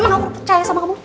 emang aku percaya sama kamu